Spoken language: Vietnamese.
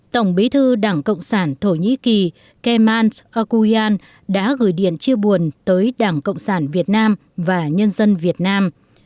tổng bí thư đảng cộng sản thổ nhĩ kỳ keman akuyan đã gửi điện chia buồn tới đảng cộng sản việt nam và nhân dân việt nam